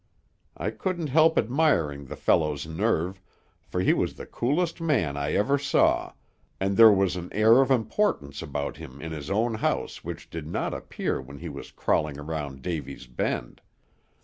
I couldn't help admiring the fellow's nerve, for he was the coolest man I ever saw, and there was an air of importance about him in his own house which did not appear when he was crawling around Davy's Bend.